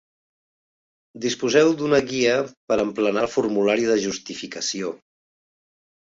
Disposeu d'una Guia per emplenar el formulari de justificació.